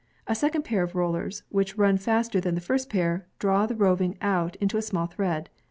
A second pair a( rollere, which run faster than the first pair, draw the roving out Into a small thread.